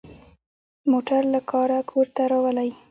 موټر له کاره کور ته راولي.